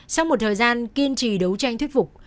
sau một thời gian kiên trì đấu tranh thuyết phục